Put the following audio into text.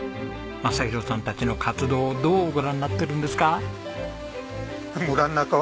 雅啓さんたちの活動をどうご覧になってるんですか？